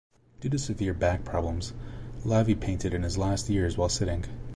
Due to severe back problems, Lavie painted in his last years while sitting.